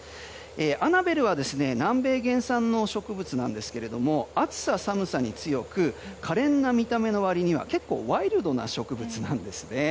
アナベルは南米原産の植物なんですが暑さ寒さに強く可憐な見た目の割には結構ワイルドな植物なんですね。